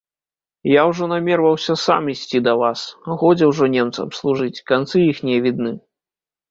Я ўжо намерваўся сам ісці да вас, годзе ўжо немцам служыць, канцы іхнія відны.